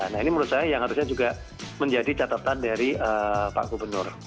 nah ini menurut saya yang harusnya juga menjadi catatan dari pak gubernur